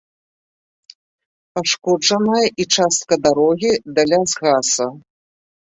Пашкоджаная і частка дарогі да лясгаса.